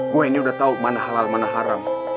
gua ini udah tau mana halal mana haram